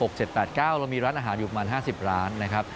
เรามีร้านอาหารอยู่ประมาณ๕๐ร้านนะครับ